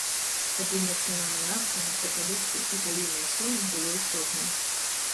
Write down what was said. Падзенне цэнаў на нафту, нафтапрадукты і калійныя солі было істотным.